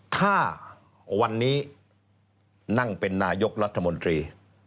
ถ้าวันนี้นั่งเป็นนายกรัฐมนตรี